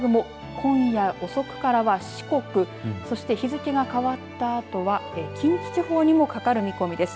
今夜遅くからは四国そして、日付が変わったあとは近畿地方にもかかる見込みです。